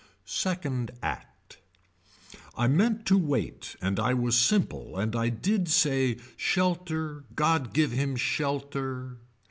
Second Act. I meant to wait and I was simple and I did say shelter god give him shelter.